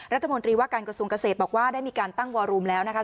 รัฐมนตรีว่าการกระทรวงเกษตรบอกว่าได้มีการตั้งวอรูมแล้วนะคะ